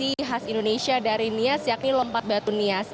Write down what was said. ini khas indonesia dari nias yakni lompat batu nias